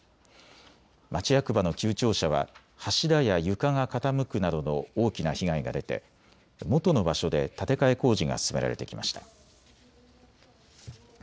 町役場の旧庁舎は柱や床が傾くなどの大きな被害が出て元の場所で建て替え工事が進められてきました。